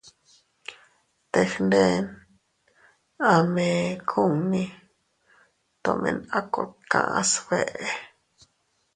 Teg nden a mee kunni, tomen a kot kaʼa sbeʼe.